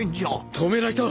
止めないと！